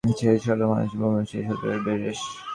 লেখা শেষ হওয়া মানে ভ্রমণটা শেষ হলেও এর রেশ থেকে যায়।